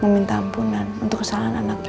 meminta ampunan untuk kesalahan anaknya